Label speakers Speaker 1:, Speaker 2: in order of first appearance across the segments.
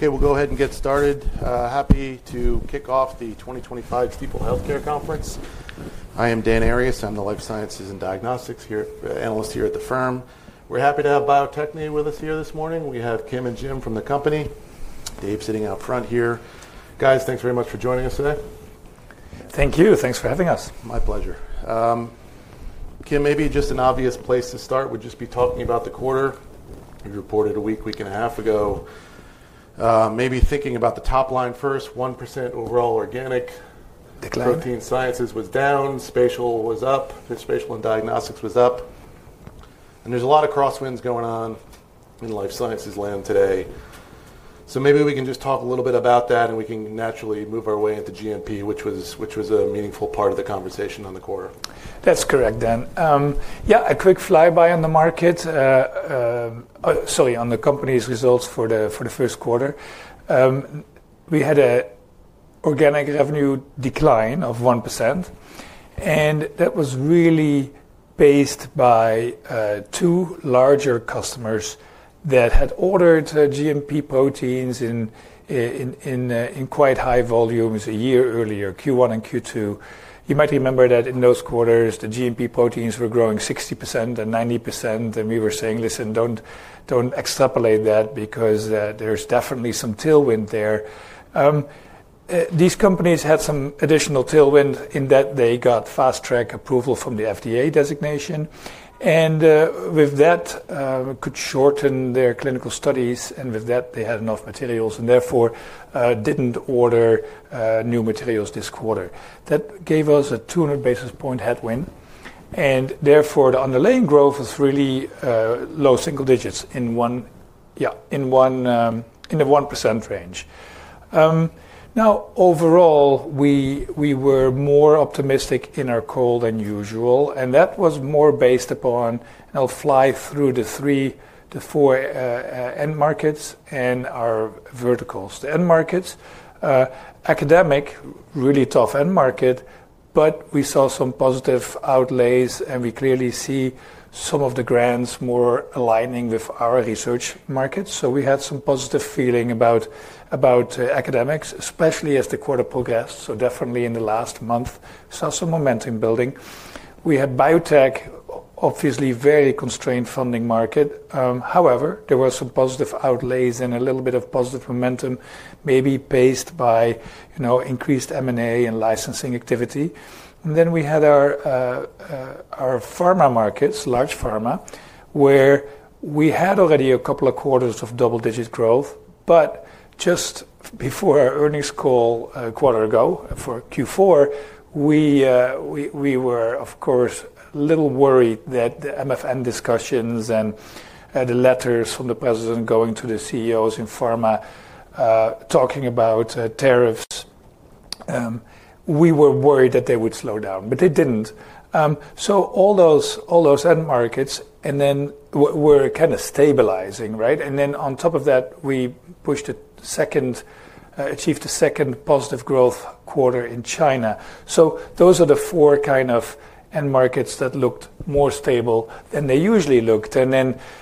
Speaker 1: Okay, we'll go ahead and get started. Happy to kick off the 2025 Stifel Healthcare Conference. I am Dan Arias. I'm the Life Sciences and Diagnostics Analyst here at the firm. We're happy to have Bio-Techne with us here this morning. We have Kim and Jim from the company, Dave sitting out front here. Guys, thanks very much for joining us today.
Speaker 2: Thank you. Thanks for having us.
Speaker 1: My pleasure. Kim, maybe just an obvious place to start would just be talking about the quarter. You reported a week, week and a half ago. Maybe thinking about the top line first, 1% overall organic.
Speaker 2: Decline.
Speaker 1: Protein sciences was down, Spatial was up, Spatial Diagnostics was up. There is a lot of crosswinds going on in life sciences land today. Maybe we can just talk a little bit about that, and we can naturally move our way into GMP, which was a meaningful part of the conversation on the quarter.
Speaker 2: That's correct, Dan. Yeah, a quick fly-by on the market, sorry, on the company's results for the first quarter. We had an organic revenue decline of 1%, and that was really based by two larger customers that had ordered GMP proteins in quite high volumes a year earlier, Q1 and Q2. You might remember that in those quarters, the GMP proteins were growing 60% and 90%, and we were saying, "Listen, don't extrapolate that because there's definitely some tailwind there." These companies had some additional tailwind in that they got Fast Track approval from the FDA designation, and with that, could shorten their clinical studies, and with that, they had enough materials, and therefore didn't order new materials this quarter. That gave us a 200 basis point headwind, and therefore the underlying growth was really low single digits in the 1% range. Now, overall, we were more optimistic in our call than usual, and that was more based upon, and I'll fly through the three to four end markets and our verticals. The end markets, academic, really tough end market, but we saw some positive outlays, and we clearly see some of the grants more aligning with our research markets. We had some positive feeling about academics, especially as the quarter progressed. Definitely in the last month, we saw some momentum building. We had biotech, obviously very constrained funding market. However, there were some positive outlays and a little bit of positive momentum, maybe paced by increased M&A and licensing activity. We had our pharma markets, large pharma, where we had already a couple of quarters of double-digit growth. Just before our earnings call a quarter ago for Q4, we were, of course, a little worried that the MFM discussions and the letters from the President going to the CEOs in pharma talking about tariffs, we were worried that they would slow down, but they did not. All those end markets were kind of stabilizing, right? On top of that, we pushed a second, achieved a second positive growth quarter in China. Those are the four kind of end markets that looked more stable than they usually looked.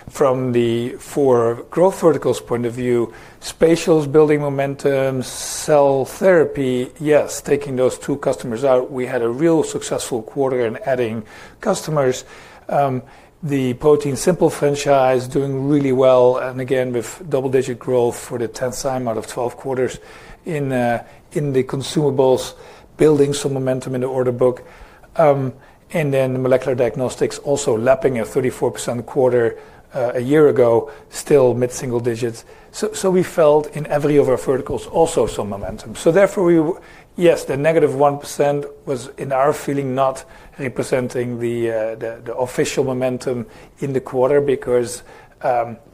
Speaker 2: From the four growth verticals point of view, Spatial's building momentum, cell therapy, yes, taking those two customers out, we had a real successful quarter in adding customers. The ProteinSimple franchise doing really well, and again, with double-digit growth for the 10th time out of 12 quarters in the consumables, building some momentum in the order book. Then Molecular Diagnostics also lapping a 34% quarter a year ago, still mid-single digits. We felt in every of our verticals also some momentum. Therefore, yes, the negative 1% was in our feeling not representing the official momentum in the quarter because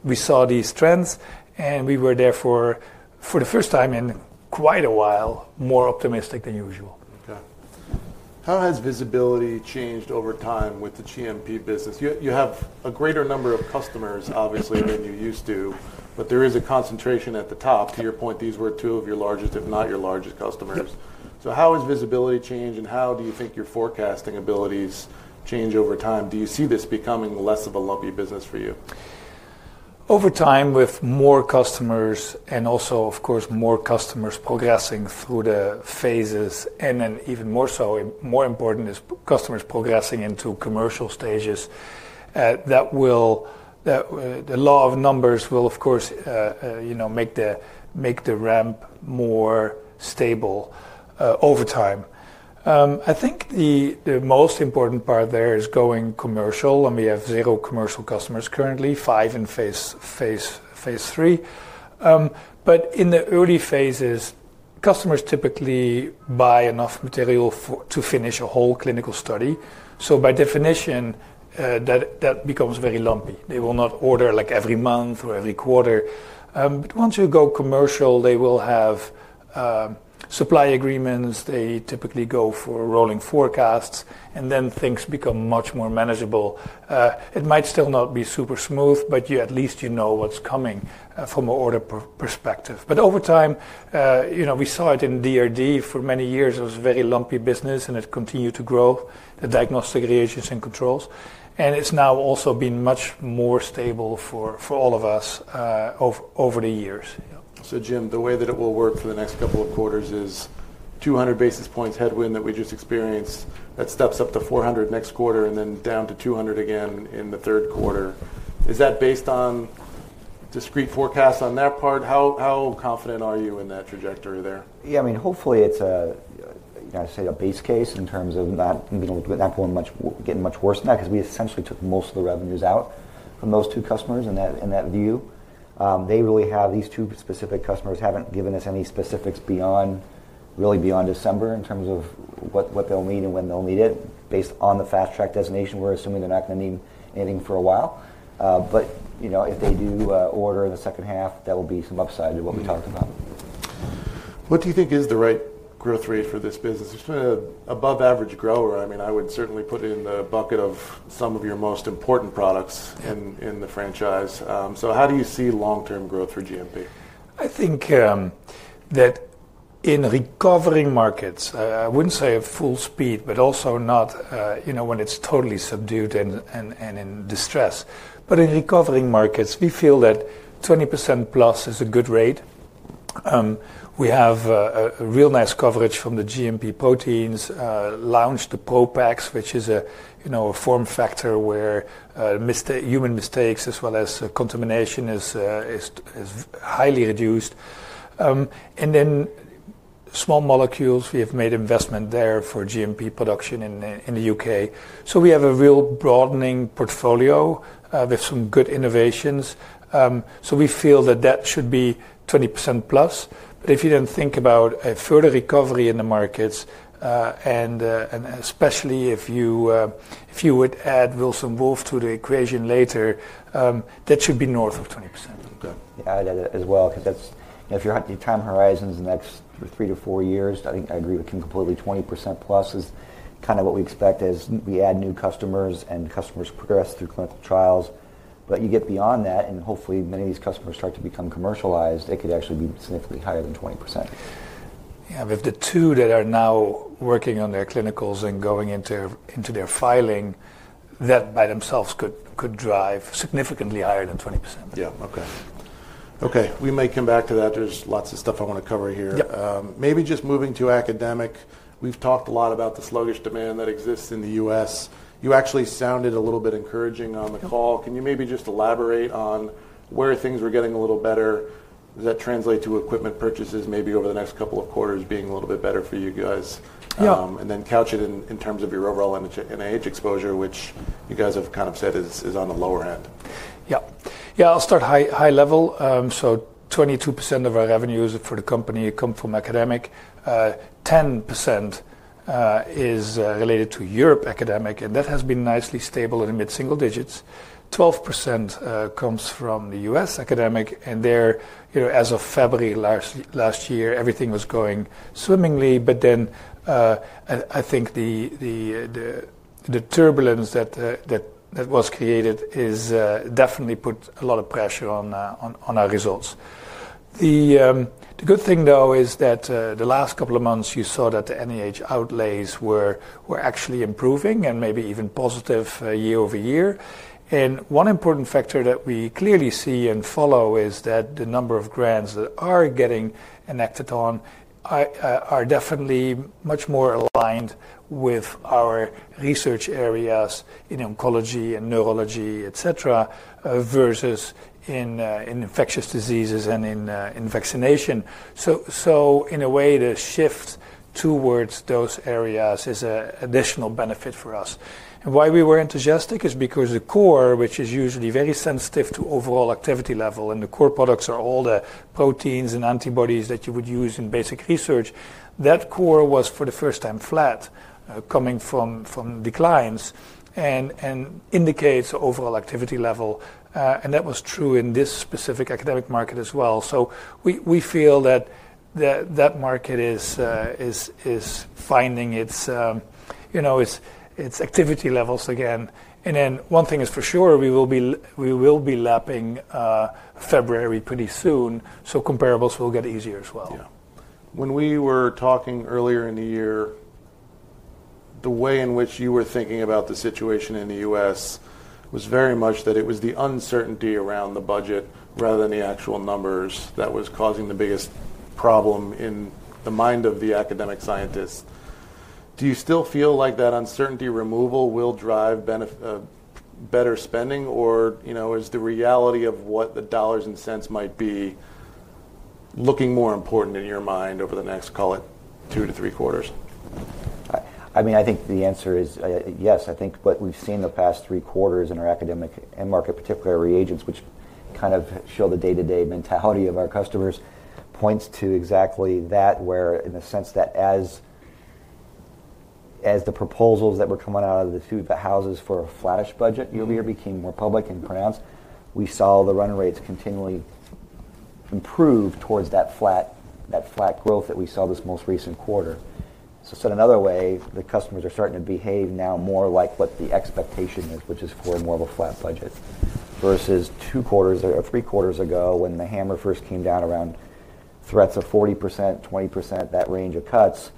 Speaker 2: we saw these trends, and we were therefore for the first time in quite a while more optimistic than usual.
Speaker 1: Okay. How has visibility changed over time with the GMP business? You have a greater number of customers, obviously, than you used to, but there is a concentration at the top. To your point, these were two of your largest, if not your largest customers. How has visibility changed, and how do you think your forecasting abilities change over time? Do you see this becoming less of a lumpy business for you?
Speaker 2: Over time, with more customers and also, of course, more customers progressing through the phases, and then even more so, more important is customers progressing into commercial stages. The law of numbers will, of course, make the ramp more stable over time. I think the most important part there is going commercial, and we have zero commercial customers currently, five in phase three. In the early phases, customers typically buy enough material to finish a whole clinical study. By definition, that becomes very lumpy. They will not order like every month or every quarter. Once you go commercial, they will have supply agreements. They typically go for rolling forecasts, and then things become much more manageable. It might still not be super smooth, but at least you know what's coming from an order perspective. Over time, we saw it in DRD for many years. It was a very lumpy business, and it continued to grow, the diagnostic reagents and controls. It is now also been much more stable for all of us over the years.
Speaker 1: Jim, the way that it will work for the next couple of quarters is 200 basis points headwind that we just experienced. That steps up to 400 basis points next quarter and then down to 200 basis points again in the third quarter. Is that based on discrete forecasts on that part? How confident are you in that trajectory there?
Speaker 3: Yeah, I mean, hopefully it's, I'd say, a base case in terms of not getting much worse than that because we essentially took most of the revenues out from those two customers in that view. They really have these two specific customers haven't given us any specifics really beyond December in terms of what they'll need and when they'll need it. Based on the Fast Track designation, we're assuming they're not going to need anything for a while. If they do order in the second half, that will be some upside to what we talked about.
Speaker 1: What do you think is the right growth rate for this business? It's been an above-average grower. I mean, I would certainly put it in the bucket of some of your most important products in the franchise. How do you see long-term growth for GMP?
Speaker 2: I think that in recovering markets, I would not say at full speed, but also not when it is totally subdued and in distress. In recovering markets, we feel that 20% plus is a good rate. We have real nice coverage from the GMP proteins, launched the ProPAX, which is a form factor where human mistakes as well as contamination is highly reduced. Small molecules, we have made investment there for GMP production in the U.K. We have a real broadening portfolio with some good innovations. We feel that that should be 20% plus. If you then think about further recovery in the markets, and especially if you would add Wilson Wolf to the equation later, that should be north of 20%.
Speaker 3: Yeah, I'd add that as well because if you're at the time horizons in the next three to four years, I think I agree with Kim completely. 20% plus is kind of what we expect as we add new customers and customers progress through clinical trials. You get beyond that, and hopefully many of these customers start to become commercialized, it could actually be significantly higher than 20%.
Speaker 2: Yeah, with the two that are now working on their clinicals and going into their filing, that by themselves could drive significantly higher than 20%.
Speaker 1: Yeah, okay. Okay, we may come back to that. There's lots of stuff I want to cover here. Maybe just moving to academic. We've talked a lot about the sluggish demand that exists in the U.S. You actually sounded a little bit encouraging on the call. Can you maybe just elaborate on where things were getting a little better? Does that translate to equipment purchases maybe over the next couple of quarters being a little bit better for you guys? And then couch it in terms of your overall NIH exposure, which you guys have kind of said is on the lower end.
Speaker 2: Yeah. Yeah, I'll start high level. 22% of our revenues for the company come from academic. 10% is related to Europe academic, and that has been nicely stable in the mid-single digits. 12% comes from the U.S. academic, and there, as of February last year, everything was going swimmingly, but I think the turbulence that was created has definitely put a lot of pressure on our results. The good thing, though, is that the last couple of months you saw that the NIH outlays were actually improving and maybe even positive year over year. One important factor that we clearly see and follow is that the number of grants that are getting enacted on are definitely much more aligned with our research areas in oncology and neurology, etc., versus in infectious diseases and in vaccination. In a way, the shift towards those areas is an additional benefit for us. Why we were enthusiastic is because the core, which is usually very sensitive to overall activity level, and the core products are all the proteins and antibodies that you would use in basic research, that core was for the first time flat, coming from declines, and indicates overall activity level. That was true in this specific academic market as well. We feel that that market is finding its activity levels again. One thing is for sure, we will be lapping February pretty soon, so comparables will get easier as well.
Speaker 1: Yeah. When we were talking earlier in the year, the way in which you were thinking about the situation in the U.S. was very much that it was the uncertainty around the budget rather than the actual numbers that was causing the biggest problem in the mind of the academic scientists. Do you still feel like that uncertainty removal will drive better spending, or is the reality of what the dollars and cents might be looking more important in your mind over the next, call it, two to three quarters?
Speaker 3: I mean, I think the answer is yes. I think what we've seen the past three quarters in our academic end market, particularly our reagents, which kind of show the day-to-day mentality of our customers, points to exactly that, where in the sense that as the proposals that were coming out of the houses for a flattish budget year over year became more public and pronounced, we saw the run rates continually improve towards that flat growth that we saw this most recent quarter. Said another way, the customers are starting to behave now more like what the expectation is, which is for more of a flat budget, versus two quarters or three quarters ago when the hammer first came down around threats of 40%, 20%, that range of cuts,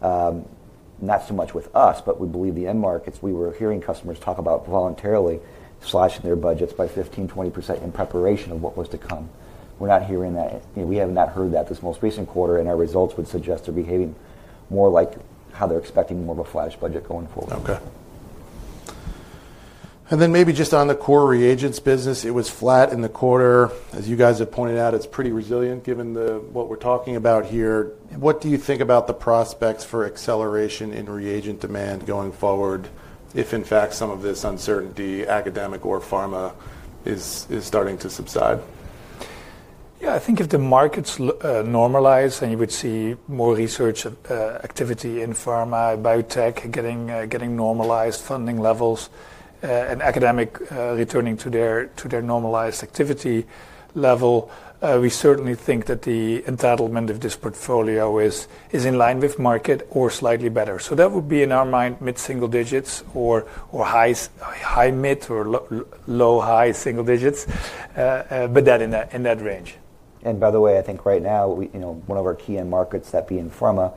Speaker 3: not so much with us, but we believe the end markets, we were hearing customers talk about voluntarily slashing their budgets by 15-20% in preparation of what was to come. We're not hearing that. We have not heard that this most recent quarter, and our results would suggest they're behaving more like how they're expecting more of a flattish budget going forward.
Speaker 1: Okay. Maybe just on the core reagents business, it was flat in the quarter. As you guys have pointed out, it's pretty resilient given what we're talking about here. What do you think about the prospects for acceleration in reagent demand going forward if, in fact, some of this uncertainty, academic or pharma, is starting to subside?
Speaker 2: Yeah, I think if the markets normalize and you would see more research activity in pharma, biotech getting normalized funding levels, and academic returning to their normalized activity level, we certainly think that the entitlement of this portfolio is in line with market or slightly better. That would be in our mind mid-single digits or high, mid or low, high single digits, but that in that range.
Speaker 3: By the way, I think right now one of our key end markets, that being pharma,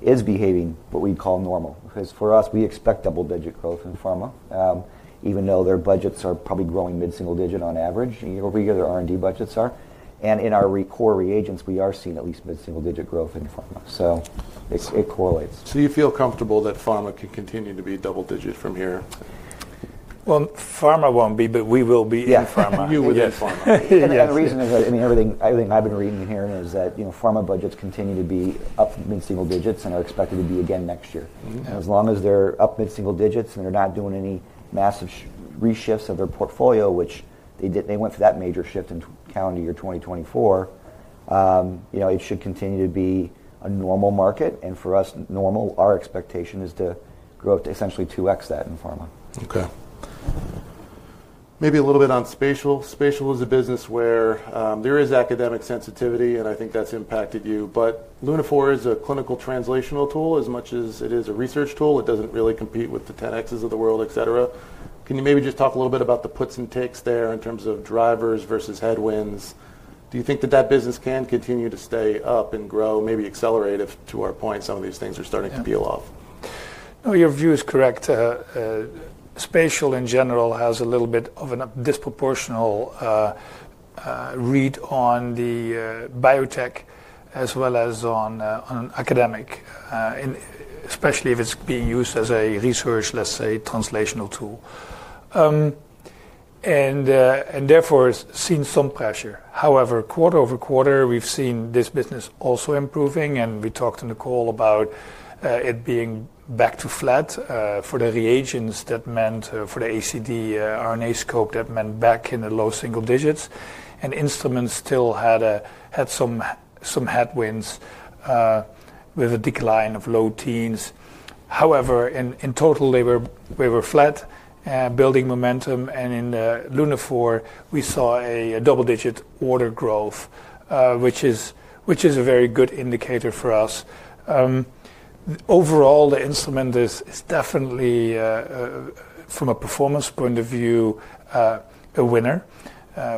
Speaker 3: is behaving what we call normal because for us, we expect double-digit growth in pharma, even though their budgets are probably growing mid-single digit on average year over year their R&D budgets are. In our core reagents, we are seeing at least mid-single digit growth in pharma. It correlates.
Speaker 1: You feel comfortable that pharma can continue to be double-digit from here?
Speaker 2: Pharma won't be, but we will be in pharma.
Speaker 1: Yeah, you will be in pharma.
Speaker 3: The reason is that everything I have been reading and hearing is that pharma budgets continue to be up mid-single digits and are expected to be again next year. As long as they are up mid-single digits and they are not doing any massive reshifts of their portfolio, which they went for that major shift in calendar year 2024, it should continue to be a normal market. For us, normal, our expectation is to grow to essentially 2x that in pharma.
Speaker 1: Okay. Maybe a little bit on Spatial. Spatial is a business where there is academic sensitivity, and I think that's impacted you. LUNA4 is a clinical translational tool as much as it is a research tool. It doesn't really compete with the 10x Genomics of the world, etc. Can you maybe just talk a little bit about the puts and takes there in terms of drivers versus headwinds? Do you think that that business can continue to stay up and grow, maybe accelerate if, to our point, some of these things are starting to peel off?
Speaker 2: No, your view is correct. Spatial in general has a little bit of a disproportional read on the biotech as well as on academic, especially if it is being used as a research, let's say, translational tool. Therefore, it has seen some pressure. However, quarter over quarter, we have seen this business also improving, and we talked in the call about it being back to flat for the reagents. That meant for the ACD RNAscope, that meant back in the low single digits. Instruments still had some headwinds with a decline of low teens. However, in total, they were flat, building momentum. In Luna4, we saw a double-digit order growth, which is a very good indicator for us. Overall, the instrument is definitely, from a performance point of view, a winner.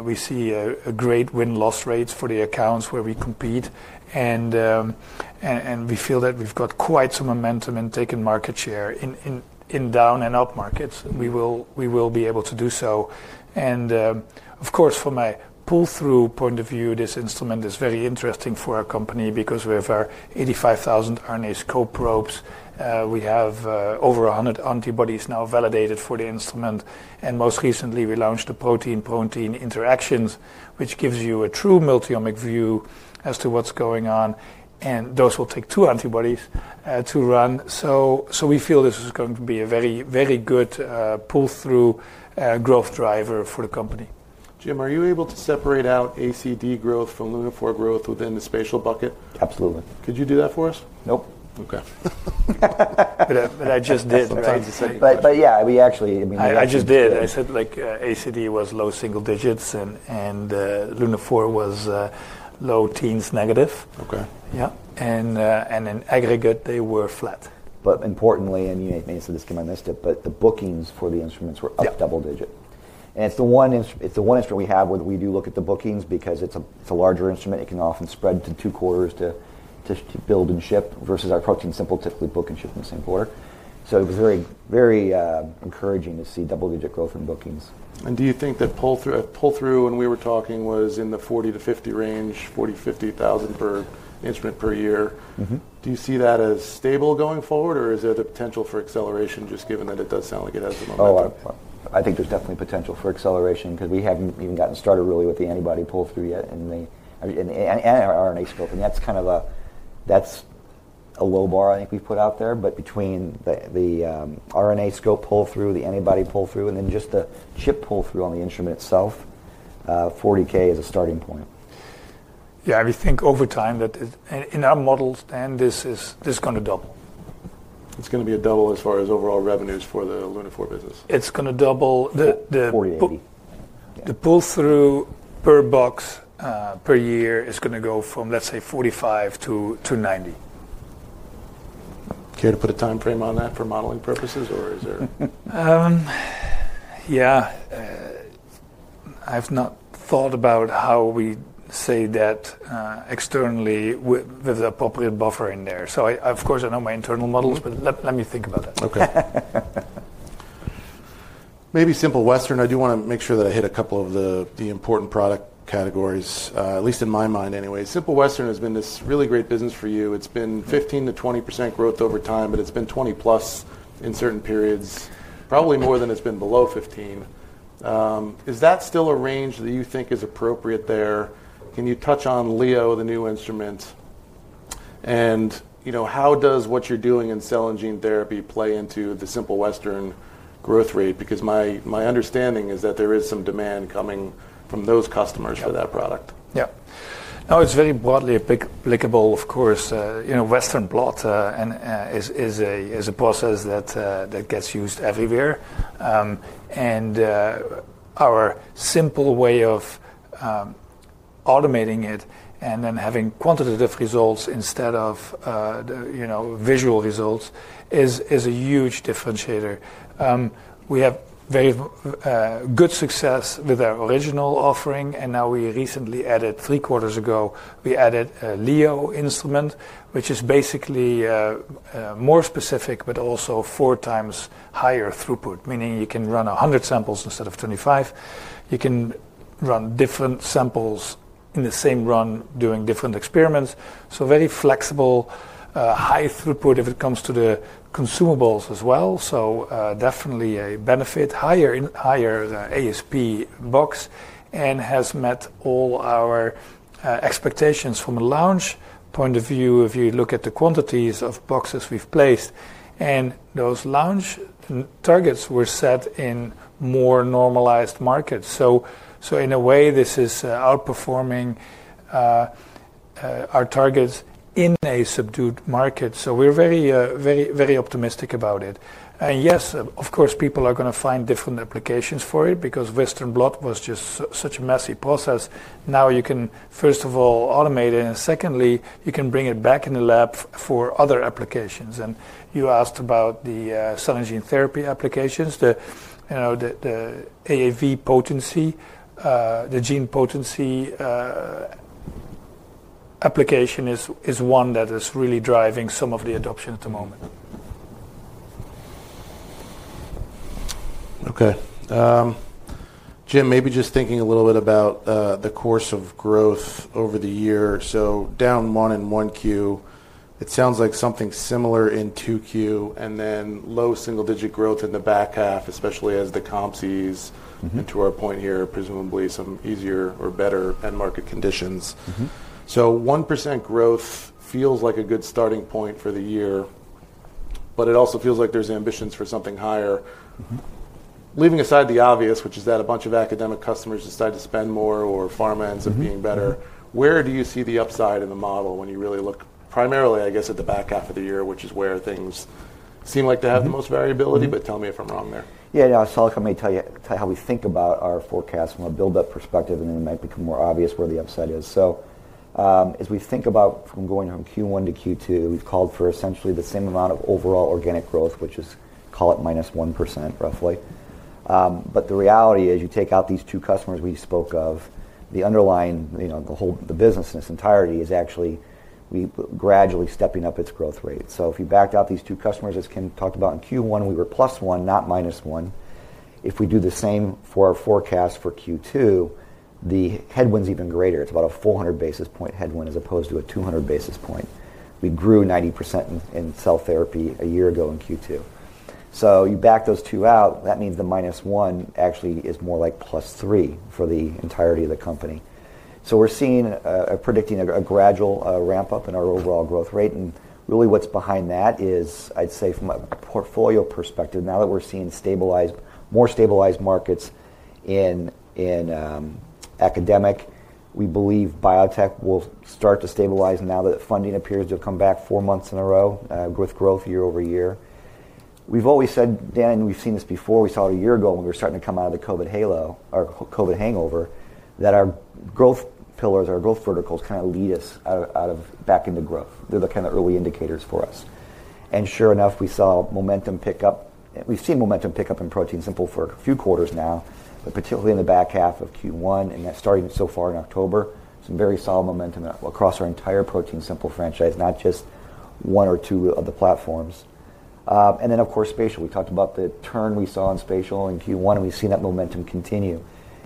Speaker 2: We see a great win-loss rate for the accounts where we compete, and we feel that we've got quite some momentum and taken market share in down and up markets. We will be able to do so. Of course, from a pull-through point of view, this instrument is very interesting for our company because we have our 85,000 RNAscope probes. We have over 100 antibodies now validated for the instrument. Most recently, we launched the protein-protein interactions, which gives you a true multi-omic view as to what's going on. Those will take two antibodies to run. We feel this is going to be a very, very good pull-through growth driver for the company.
Speaker 1: Jim, are you able to separate out ACD growth from Luna4 growth within the spatial bucket?
Speaker 3: Absolutely.
Speaker 1: Could you do that for us?
Speaker 3: Nope.
Speaker 1: Okay.
Speaker 2: I just did.
Speaker 3: Yeah, we actually.
Speaker 2: I just did. I said like ACD was low single digits and Luna4 was low teens negative.
Speaker 1: Okay.
Speaker 2: Yeah. In aggregate, they were flat.
Speaker 3: Importantly, and you may have made some of this to my mistake, but the bookings for the instruments were up double digit. It is the one instrument we have where we do look at the bookings because it is a larger instrument. It can often spread to two quarters to build and ship versus our ProteinSimple typically book and ship in the same quarter. It was very encouraging to see double-digit growth in bookings.
Speaker 1: Do you think that pull-through, when we were talking, was in the 40-50 range, $40,000-$50,000 per instrument per year? Do you see that as stable going forward, or is there the potential for acceleration just given that it does sound like it has a momentum?
Speaker 3: I think there's definitely potential for acceleration because we haven't even gotten started really with the antibody pull-through yet and our RNAscope. That's kind of a low bar I think we've put out there. Between the RNAscope pull-through, the antibody pull-through, and then just the chip pull-through on the instrument itself, 40K is a starting point.
Speaker 2: Yeah, we think over time that in our model, Stan, this is going to double.
Speaker 1: It's going to be a double as far as overall revenues for the LUNA4 business.
Speaker 2: It's going to double the.
Speaker 3: 40-80.
Speaker 2: The pull-through per box per year is going to go from, let's say, 45 to 90.
Speaker 1: Care to put a time frame on that for modeling purposes, or is there?
Speaker 2: Yeah. I've not thought about how we say that externally with an appropriate buffer in there. Of course, I know my internal models, but let me think about that.
Speaker 1: Okay. Maybe Simple Western. I do want to make sure that I hit a couple of the important product categories, at least in my mind anyway. Simple Western has been this really great business for you. It's been 15%-20% growth over time, but it's been 20% plus in certain periods, probably more than it's been below 15%. Is that still a range that you think is appropriate there? Can you touch on LEO, the new instrument? And how does what you're doing in cell and gene therapy play into the Simple Western growth rate? Because my understanding is that there is some demand coming from those customers for that product.
Speaker 2: Yeah. Now, it's very broadly applicable, of course. Western blot is a process that gets used everywhere. Our simple way of automating it and then having quantitative results instead of visual results is a huge differentiator. We have very good success with our original offering, and now we recently added, three quarters ago, we added a LEO instrument, which is basically more specific, but also four times higher throughput, meaning you can run 100 samples instead of 25. You can run different samples in the same run doing different experiments. Very flexible, high throughput if it comes to the consumables as well. Definitely a benefit, higher ASP box, and has met all our expectations from a launch point of view if you look at the quantities of boxes we've placed. Those launch targets were set in more normalized markets. In a way, this is outperforming our targets in a subdued market. We are very optimistic about it. Yes, of course, people are going to find different applications for it because Western blot was just such a messy process. Now you can, first of all, automate it, and secondly, you can bring it back in the lab for other applications. You asked about the cell and gene therapy applications, the AAV potency, the Gene Potency application is one that is really driving some of the adoption at the moment.
Speaker 1: Okay. Jim, maybe just thinking a little bit about the course of growth over the year. Down one in Q1, it sounds like something similar in Q2, and then low single-digit growth in the back half, especially as the comps ease into our point here, presumably some easier or better end market conditions. 1% growth feels like a good starting point for the year, but it also feels like there's ambitions for something higher. Leaving aside the obvious, which is that a bunch of academic customers decide to spend more or pharma ends up being better, where do you see the upside in the model when you really look primarily, I guess, at the back half of the year, which is where things seem like to have the most variability, but tell me if I'm wrong there.
Speaker 3: Yeah, I'll tell you how we think about our forecast from a build-up perspective, and then it might become more obvious where the upside is. As we think about going from Q1 to Q2, we've called for essentially the same amount of overall organic growth, which is, call it minus 1% roughly. The reality is you take out these two customers we spoke of, the underlying, the business in its entirety is actually gradually stepping up its growth rate. If you backed out these two customers, as Kim talked about in Q1, we were plus 1%, not minus 1%. If we do the same for our forecast for Q2, the headwind's even greater. It's about a 400 basis point headwind as opposed to a 200 basis point. We grew 90% in Cell Therapy a year ago in Q2. You back those two out, that means the minus one actually is more like plus three for the entirety of the company. We're seeing a gradual ramp-up in our overall growth rate. Really what's behind that is, I'd say from a portfolio perspective, now that we're seeing more stabilized markets in academic, we believe biotech will start to stabilize now that funding appears to have come back four months in a row with growth year over year. We've always said, and we've seen this before, we saw it a year ago when we were starting to come out of the COVID halo or COVID hangover, that our growth pillars, our growth verticals kind of lead us back into growth. They're the kind of early indicators for us. Sure enough, we saw momentum pick up. We've seen momentum pick up in ProteinSimple for a few quarters now, but particularly in the back half of Q1 and starting so far in October, some very solid momentum across our entire ProteinSimple franchise, not just one or two of the platforms. Of course, Spatial. We talked about the turn we saw in Spatial in Q1, and we've seen that momentum continue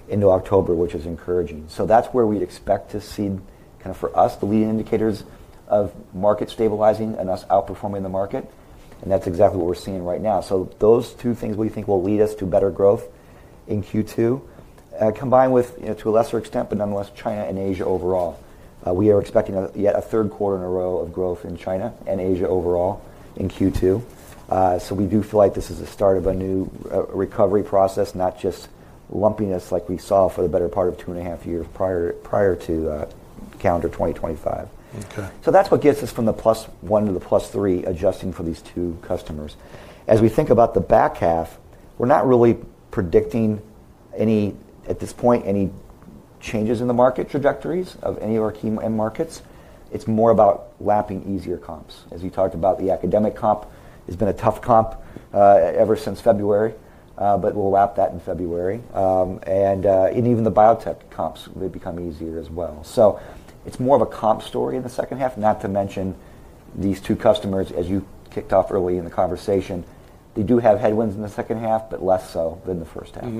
Speaker 3: into October, which is encouraging. That is where we'd expect to see kind of for us the lead indicators of market stabilizing and us outperforming the market. That is exactly what we're seeing right now. Those two things we think will lead us to better growth in Q2, combined with, to a lesser extent, but nonetheless, China and Asia overall. We are expecting yet a third quarter in a row of growth in China and Asia overall in Q2. We do feel like this is the start of a new recovery process, not just lumpiness like we saw for the better part of two and a half years prior to calendar 2025. That is what gets us from the plus one to the plus three adjusting for these two customers. As we think about the back half, we are not really predicting at this point any changes in the market trajectories of any of our key end markets. It is more about wrapping easier comps. As you talked about, the academic comp has been a tough comp ever since February, but we will wrap that in February. Even the biotech comps may become easier as well. It's more of a comp story in the second half, not to mention these two customers, as you kicked off early in the conversation, they do have headwinds in the second half, but less so than the first half.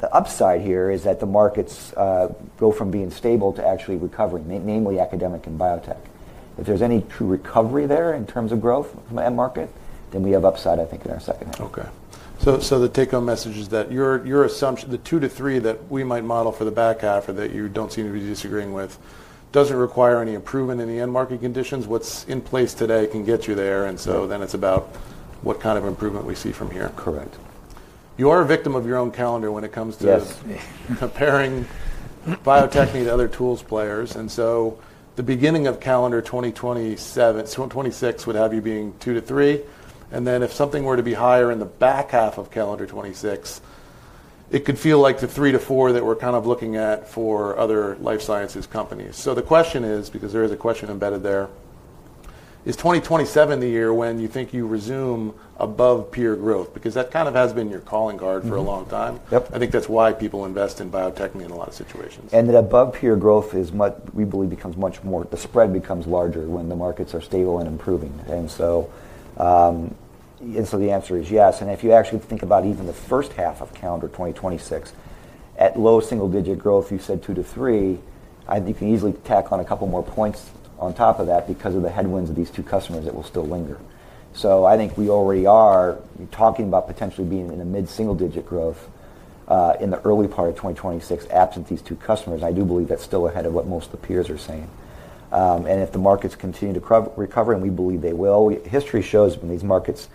Speaker 3: The upside here is that the markets go from being stable to actually recovering, namely academic and biotech. If there's any true recovery there in terms of growth from the end market, then we have upside, I think, in our second half.
Speaker 1: Okay. The take-home message is that your assumption, the two to three that we might model for the back half or that you do not seem to be disagreeing with, does not require any improvement in the end market conditions. What is in place today can get you there. It is about what kind of improvement we see from here.
Speaker 3: Correct.
Speaker 1: You are a victim of your own calendar when it comes to comparing Bio-Techne to other tools players. The beginning of calendar 2026 would have you being two to three. If something were to be higher in the back half of calendar 2026, it could feel like the three to four that we are kind of looking at for other life sciences companies. The question is, because there is a question embedded there, is 2027 the year when you think you resume above peer growth? That kind of has been your calling card for a long time. I think that is why people invest in Bio-Techne in a lot of situations.
Speaker 3: The above peer growth is what we believe becomes much more, the spread becomes larger when the markets are stable and improving. The answer is yes. If you actually think about even the first half of calendar 2026, at low single-digit growth, you said two to three, I think you can easily tack on a couple more points on top of that because of the headwinds of these two customers that will still linger. I think we already are talking about potentially being in a mid-single-digit growth in the early part of 2026 absent these two customers. I do believe that is still ahead of what most of the peers are saying. If the markets continue to recover, and we believe they will, history shows when these markets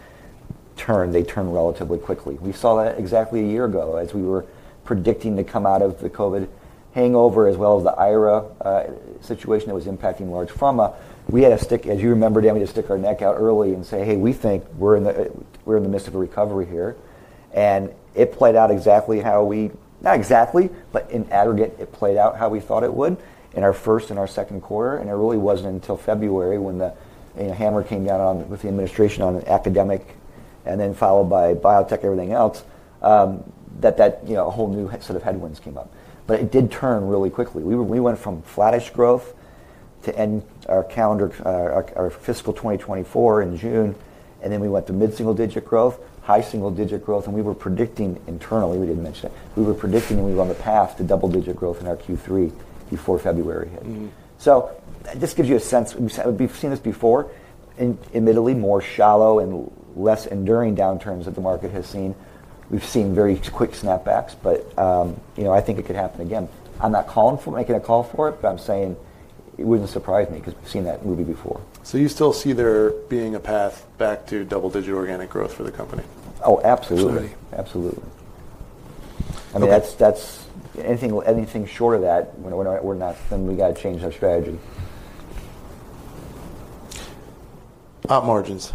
Speaker 3: turn, they turn relatively quickly. We saw that exactly a year ago as we were predicting to come out of the COVID hangover as well as the IRA situation that was impacting large pharma. We had to stick, as you remember, Dan, to stick our neck out early and say, "Hey, we think we're in the midst of a recovery here." It played out exactly how we, not exactly, but in aggregate, it played out how we thought it would in our first and our second quarter. It really was not until February when the hammer came down on with the administration on academic and then followed by biotech, everything else, that a whole new set of headwinds came up. It did turn really quickly. We went from flattish growth to end our calendar, our fiscal 2024 in June, and then we went to mid-single digit growth, high single digit growth, and we were predicting internally, we did not mention it, we were predicting that we were on the path to double digit growth in our Q3 before February hit. This gives you a sense. We have seen this before, admittedly more shallow and less enduring downturns that the market has seen. We have seen very quick snapbacks, but I think it could happen again. I am not calling for making a call for it, but I am saying it would not surprise me because we have seen that movie before.
Speaker 1: You still see there being a path back to double-digit organic growth for the company?
Speaker 3: Oh, absolutely. Absolutely. I mean, anything short of that, we're not saying we got to change our strategy.
Speaker 1: Op margins.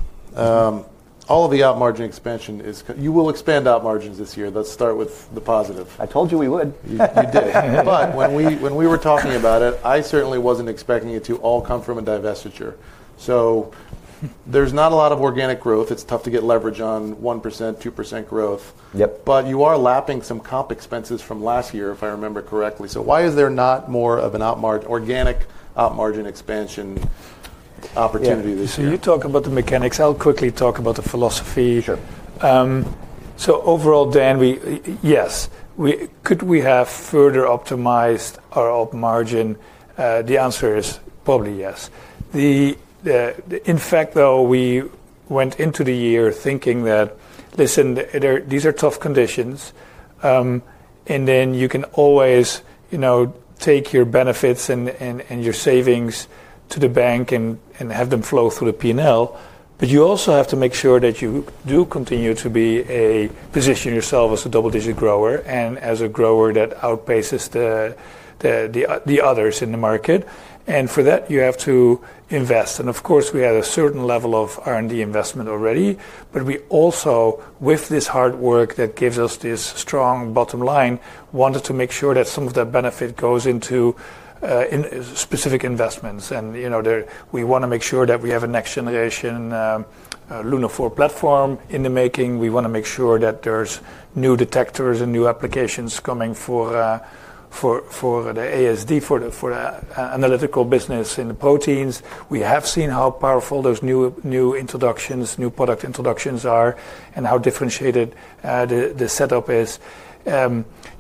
Speaker 1: All of the op margin expansion is you will expand op margins this year. Let's start with the positive.
Speaker 3: I told you we would.
Speaker 4: You did. When we were talking about it, I certainly was not expecting it to all come from a divestiture. There is not a lot of organic growth. It is tough to get leverage on 1%-2% growth. You are lapping some comp expenses from last year, if I remember correctly. Why is there not more of an organic op margin expansion opportunity this year?
Speaker 2: You talk about the mechanics. I'll quickly talk about the philosophy. Overall, Dan, yes. Could we have further optimized our op margin? The answer is probably yes. In fact, though, we went into the year thinking that, listen, these are tough conditions, and you can always take your benefits and your savings to the bank and have them flow through the P&L. You also have to make sure that you do continue to position yourself as a double-digit grower and as a grower that outpaces the others in the market. For that, you have to invest. Of course, we had a certain level of R&D investment already, but we also, with this hard work that gives us this strong bottom line, wanted to make sure that some of that benefit goes into specific investments. We want to make sure that we have a next generation LUNA4 platform in the making. We want to make sure that there's new detectors and new applications coming for the ASD, for the analytical business in the proteins. We have seen how powerful those new introductions, new product introductions are, and how differentiated the setup is.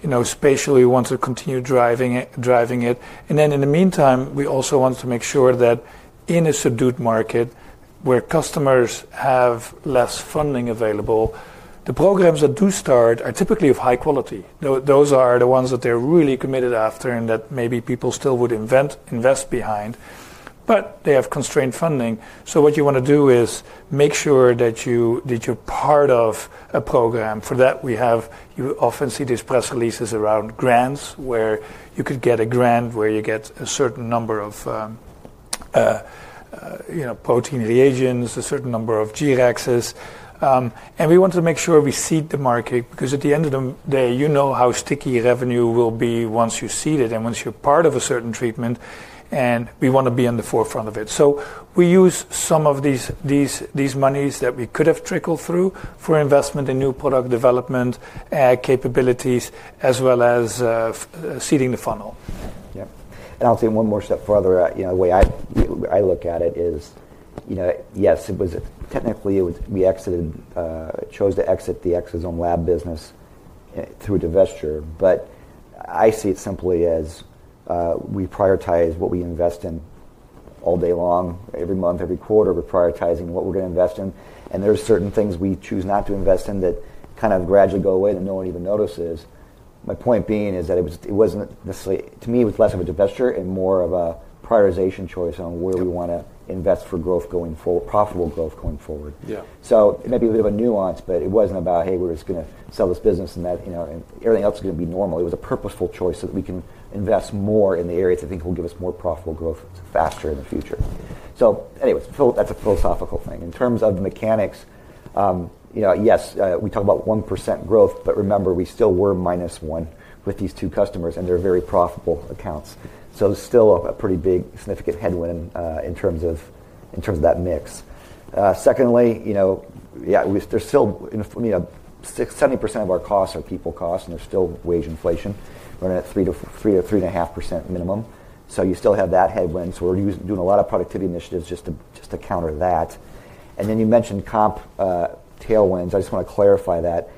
Speaker 2: Spatially, we want to continue driving it. In the meantime, we also want to make sure that in a subdued market where customers have less funding available, the programs that do start are typically of high quality. Those are the ones that they're really committed after and that maybe people still would invest behind, but they have constrained funding. What you want to do is make sure that you're part of a program. For that, you often see these press releases around grants where you could get a grant where you get a certain number of protein reagents, a certain number of G-REX. We want to make sure we seed the market because at the end of the day, you know how sticky revenue will be once you seed it and once you're part of a certain treatment, and we want to be on the forefront of it. We use some of these monies that we could have trickled through for investment in new product development capabilities as well as seeding the funnel.
Speaker 3: Yeah. I'll take one more step further. The way I look at it is, yes, technically we chose to exit the Exosome lab business through divestiture, but I see it simply as we prioritize what we invest in all day long, every month, every quarter, we're prioritizing what we're going to invest in. There are certain things we choose not to invest in that kind of gradually go away that no one even notices. My point being is that it wasn't necessarily to me, it was less of a divestiture and more of a prioritization choice on where we want to invest for growth going forward, profitable growth going forward. It may be a bit of a nuance, but it was not about, "Hey, we are just going to sell this business and everything else is going to be normal." It was a purposeful choice so that we can invest more in the areas that I think will give us more profitable growth faster in the future. Anyways, that is a philosophical thing. In terms of mechanics, yes, we talk about 1% growth, but remember, we still were minus one with these two customers, and they are very profitable accounts. It is still a pretty big significant headwind in terms of that mix. Secondly, there is still 70% of our costs are people costs, and there is still wage inflation. We are at 3%-3.5% minimum. You still have that headwind. We are doing a lot of productivity initiatives just to counter that. You mentioned comp tailwinds. I just want to clarify that.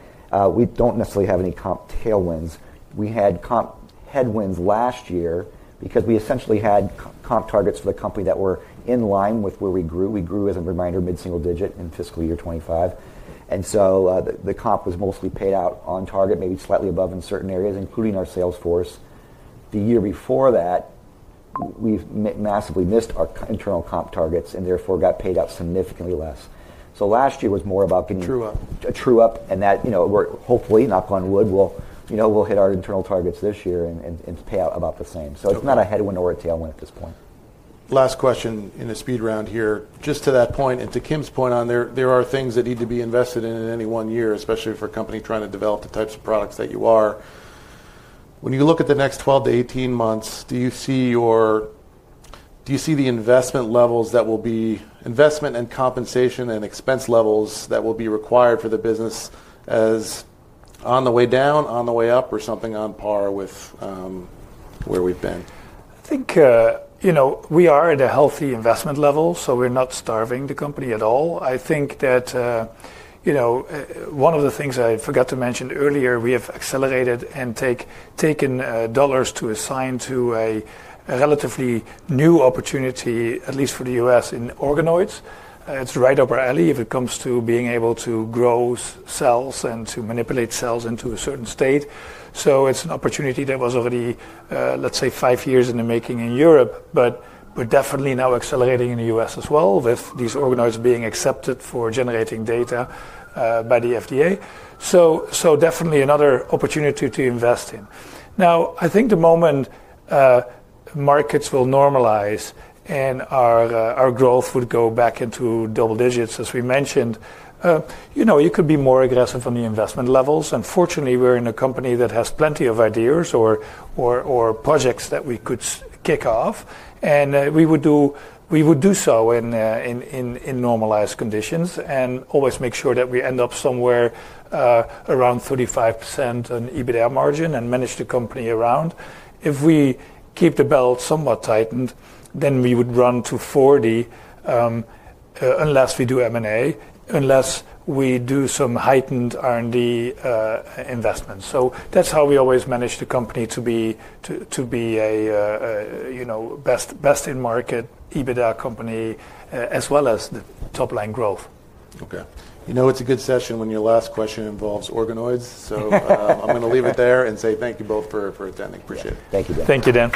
Speaker 3: We do not necessarily have any comp tailwinds. We had comp headwinds last year because we essentially had comp targets for the company that were in line with where we grew. We grew, as a reminder, mid-single digit in fiscal year 2025. And so the comp was mostly paid out on target, maybe slightly above in certain areas, including our sales force. The year before that, we have massively missed our internal comp targets and therefore got paid out significantly less. Last year was more about getting a true up and that we are hopefully, knock on wood, going to hit our internal targets this year and pay out about the same. It is not a headwind or a tailwind at this point.
Speaker 1: Last question in the speed round here. Just to that point and to Kim's point on there, there are things that need to be invested in in any one year, especially for a company trying to develop the types of products that you are. When you look at the next 12-18 months, do you see the investment levels that will be investment and compensation and expense levels that will be required for the business as on the way down, on the way up, or something on par with where we've been?
Speaker 2: I think we are at a healthy investment level, so we're not starving the company at all. I think that one of the things I forgot to mention earlier, we have accelerated and taken dollars to assign to a relatively new opportunity, at least for the U.S., in organoids. It's right up our alley if it comes to being able to grow cells and to manipulate cells into a certain state. It's an opportunity that was already, let's say, five years in the making in Europe, but we're definitely now accelerating in the U.S. as well with these organoids being accepted for generating data by the FDA. Definitely another opportunity to invest in. I think the moment markets will normalize and our growth would go back into double digits, as we mentioned, you could be more aggressive on the investment levels. Unfortunately, we're in a company that has plenty of ideas or projects that we could kick off. We would do so in normalized conditions and always make sure that we end up somewhere around 35% on EBITDA margin and manage the company around. If we keep the belt somewhat tightened, then we would run to 40% unless we do M&A, unless we do some heightened R&D investments. That's how we always manage the company to be a best-in-market EBITDA company as well as the top-line growth.
Speaker 4: Okay. You know it's a good session when your last question involves organoids. I'm going to leave it there and say thank you both for attending. Appreciate it.
Speaker 3: Thank you, Dan.
Speaker 2: Thank you.